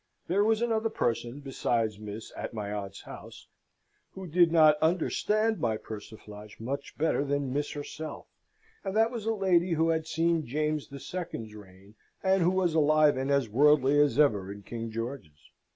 There was another person besides Miss at my aunt's house, who did not understand my persiflage much better than Miss herself; and that was a lady who had seen James the Second's reign, and who was alive and as worldly as ever in King George's.